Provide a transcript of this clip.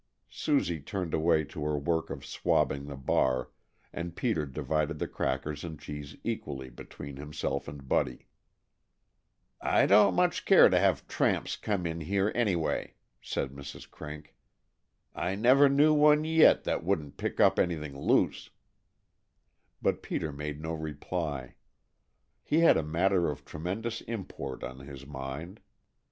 Susie turned away to her work of swabbing the bar, and Peter divided the crackers and cheese equally between himself and Buddy. "I don't care much to have tramps come in here anyway," said Mrs. Crink. "I never knew one yit that wouldn't pick up anything loose," but Peter made no reply. He had a matter of tremendous import on his mind.